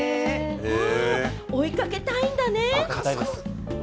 追いかけたいんだね。